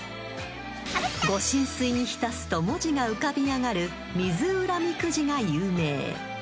［ご神水に浸すと文字が浮かび上がる水占みくじが有名］